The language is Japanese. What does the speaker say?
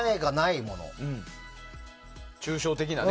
抽象的なね。